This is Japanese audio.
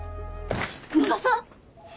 野田さん